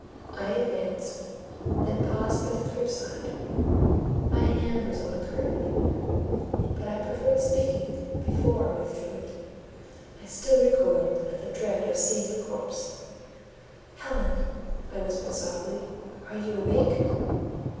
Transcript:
I advanced; then paused by the crib side: my hand was on the curtain, but I preferred speaking before I withdrew it. I still recoiled at the dread of seeing a corpse. "Helen!" I whispered softly, "are you awake?"